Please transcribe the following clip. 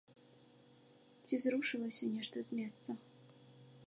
Ці зрушылася нешта з месца?